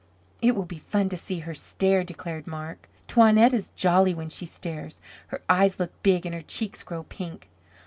"It will be fun to see her stare," declared Marc. "Toinette is jolly when she stares. Her eyes look big and her cheeks grow pink.